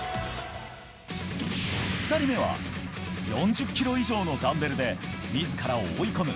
２人目は４０ｋｇ以上のダンベルで自らを追い込む。